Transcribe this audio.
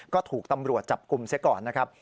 ก็ถูกตำรวจจับกลุ่มเสียก่อนนะครับ